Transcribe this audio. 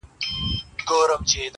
په لار کي مو د اوبو پر غاړه